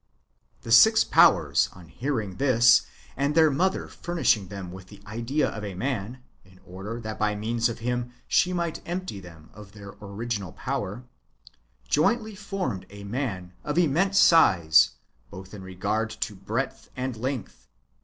^ The six powers, on hearing this, and their mother furnishing them with the idea of a man (in order that by means of him she might empty them of their original power), jointly formed a man of immense size, both in regard to breadth and length.